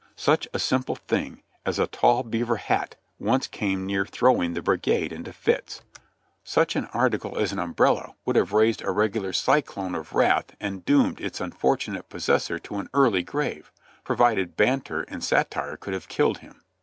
Such a simple thing as a tall beaver hat once came near throwing the brigade into fits; such an article 122 JOHNNY REB AND BILI,Y YANK as an umbrella would have raised a regular cyclone of wrath and doomed its unfortunate possessor to an early grave, provided banter and satire could have killed him.